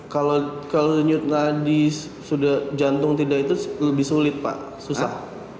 kalau nyut tadi sudah jantung tidak itu lebih sulit pak susah